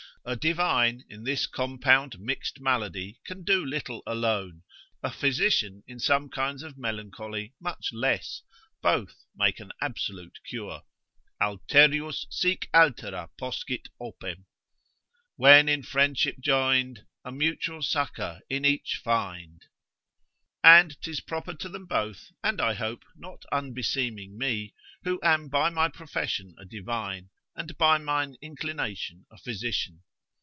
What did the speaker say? A divine in this compound mixed malady can do little alone, a physician in some kinds of melancholy much less, both make an absolute cure. Alterius sic altera poscit opem. ———when in friendship joined A mutual succour in each other find. And 'tis proper to them both, and I hope not unbeseeming me, who am by my profession a divine, and by mine inclination a physician.